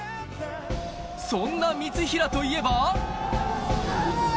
そんな三平といえば。